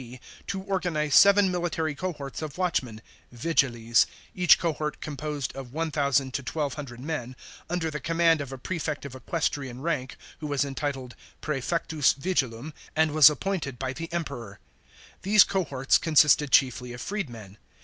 D.) to organise seven military cohorts of watchmen (yigiles), each cohort composed of 10CO to 1200 men, under the command of a Prefect of equestrian rank, who was entitled prsefectus vigilum, and was appointed by the Emperor. These cohorts consisted chiefly of freedmen.